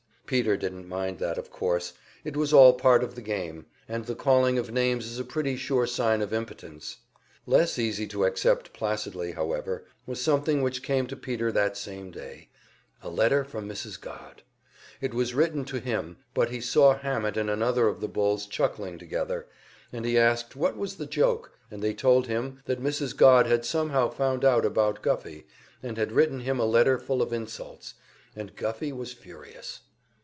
Peter didn't mind that, of course it was all part of the game, and the calling of names is a pretty sure sign of impotence. Less easy to accept placidly, however, was something which came to Peter that same day a letter from Mrs. Godd! It wasn't written to him, but he saw Hammett and another of the "bulls" chuckling together, and he asked what was the joke, and they told him that Mrs. Godd had somehow found out about Guffey, and had written him a letter full of insults, and Guffey was furious.